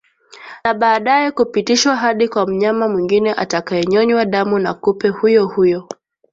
na baadaye kupitishwa hadi kwa mnyama mwingine atakaenyonywa damu na kupe huyo huyo